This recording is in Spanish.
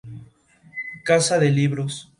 Caza de Libros.